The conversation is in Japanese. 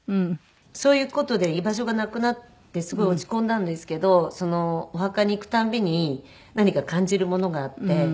そういう事で居場所がなくなってすごい落ち込んだんですけどお墓に行く度に何か感じるものがあって。